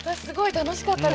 楽しかった。